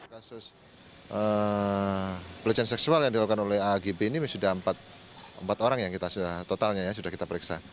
kasus pelecehan seksual yang dilakukan oleh agb ini sudah empat orang yang kita sudah totalnya ya sudah kita periksa